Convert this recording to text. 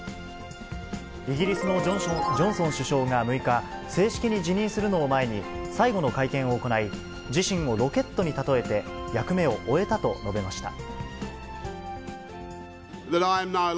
イギリスのジョンソン首相が６日、正式に辞任するのを前に、最後の会見を行い、自身をロケットに例えて、役目を終えたと述べました。